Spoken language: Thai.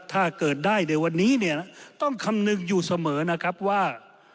ถ้าเกิดได้ในวันนี้เนี่ยต้องคำนึงอยู่เสมอนะครับว่า